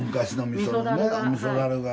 みそ樽が。